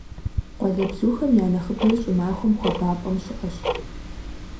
Къуалэбзухэм я нэхъыбэр щӀымахуэм хуабапӀэм щыӀэщ.